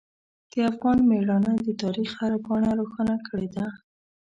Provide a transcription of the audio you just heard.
د افغان میړانه د تاریخ هره پاڼه روښانه کړې ده.